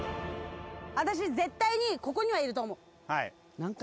私絶対に、ここにはいると思う。